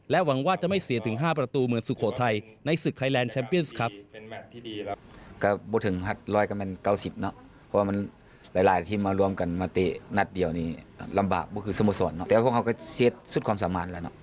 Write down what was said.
หวังว่าจะไม่เสียถึง๕ประตูเหมือนสุโขทัยในศึกไทยแลนดแชมเปียนส์ครับ